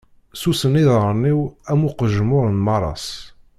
Ssusen iḍaṛṛen-iw am uqejmuṛ n maras.